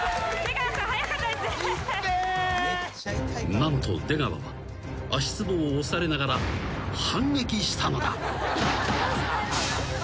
［何と出川は足つぼを押されながら反撃したのだ］